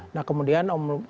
nah kemudian om budsman